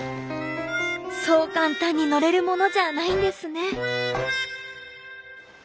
そう簡単に乗れるものじゃないんですね。